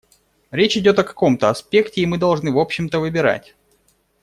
Речь идет о каком-то аспекте, и мы должны в общем-то выбирать.